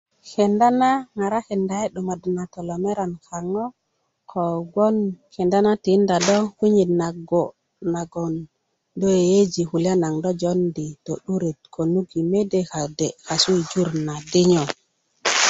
kenda na ŋarakinda yi 'dumaddu na tolomeran kaŋo kogbon kenda do kwinyit nago' nagoŋ do yeyeji kulys naŋ joondi to'duret könuk yi mede kode' kasu yi jur na dinyo